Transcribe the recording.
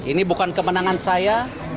ini bukan kemenangan saya